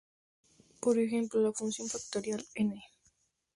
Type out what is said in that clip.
Por ejemplo, la función factorial "n!